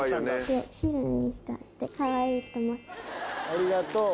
ありがとう。